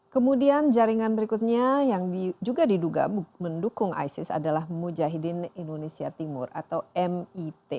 kemudian jaringan berikutnya yang juga diduga mendukung isis adalah mujahidin indonesia timur atau mit